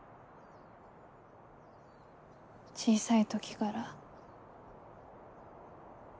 小さい時がら。